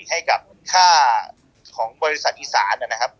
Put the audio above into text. ให้กับค่าของบริษัทอีสานนะครับ